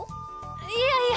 いやいや！